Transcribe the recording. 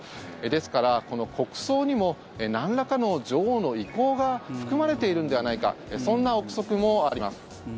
ですから、この国葬にもなんらかの女王の意向が含まれているんではないかそんな臆測もあります。